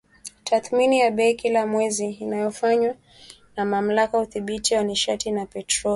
tathmini ya bei kila mwezi inayofanywa na Mamlaka ya Udhibiti wa Nishati na Petroli